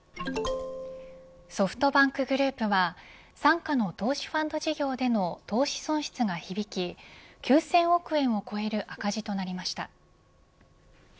ソフトバンクグループは傘下の投資ファンド事業での投資損失が響き９０００億円を超える赤字となりました。